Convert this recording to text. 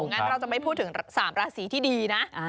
งั้นเราจะไม่พูดถึง๓ราศีที่ดีนะ